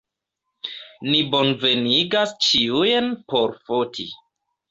Ni bonvenigas ĉiujn por foti.